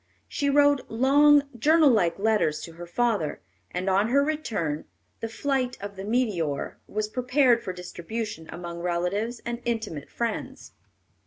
She wrote long, journal like letters to her father, and on her return The Flight of the Meteor was prepared for distribution among relatives and intimate friends.